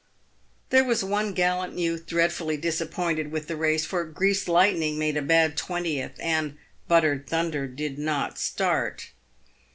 There was one gallant youth dreadfully disappointed with the race, for Greased Lightning made a bad twentieth, and Buttered Thunder did not start.